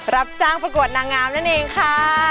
รับจ้างประกวดนางงามนั่นเองค่ะ